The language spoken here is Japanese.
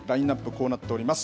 こうなっております。